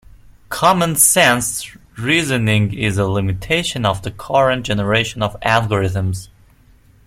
Common sense reasoning is a limitation of the current generation of algorithms.